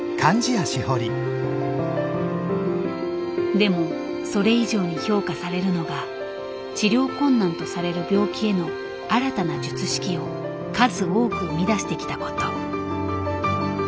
でもそれ以上に評価されるのが治療困難とされる病気への新たな術式を数多く生み出してきたこと。